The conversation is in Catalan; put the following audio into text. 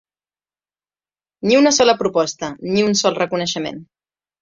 Ni una sola proposta, ni un sol reconeixement.